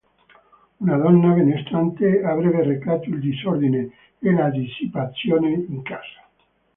Una donna benestante avrebbe recato il disordine e la dissipazione in casa.